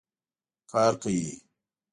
کار کوي